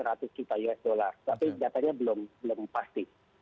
tetapi datanya belum pasti